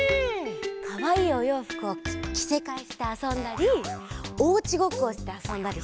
かわいいおようふくをきせかえしてあそんだりおうちごっこをしてあそんだりしてたよ。